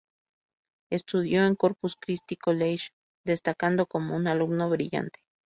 Estudió en Corpus Christi College destacando como un alumno brillante.